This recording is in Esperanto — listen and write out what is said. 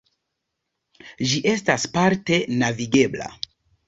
Ĝi estas parte navigebla.